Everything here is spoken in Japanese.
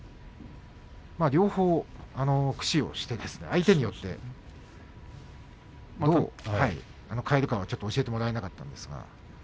両方駆使して相手によって、また変えるかは教えてもらえなかったんですが。